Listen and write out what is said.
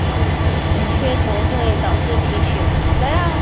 缺铜会导致贫血。